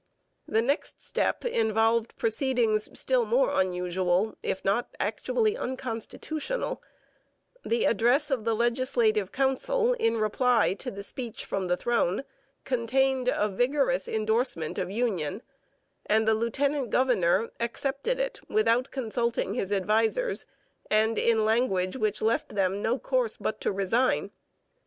The next step involved proceedings still more unusual, if not actually unconstitutional: the address of the Legislative Council in reply to the speech from the throne contained a vigorous endorsement of union; and the lieutenant governor accepted it, without consulting his advisers, and in language which left them no recourse but to resign.